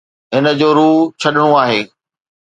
هن جو روح ڇڏڻو آهي.